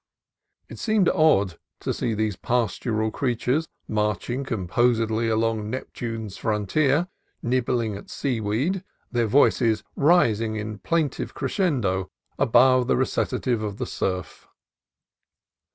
It seemed odd to see these pastoral creatures marching composedly along on Neptune's frontier, nibbling at seaweed, their voices rising in plaintive crescendo above the recitative of the surf.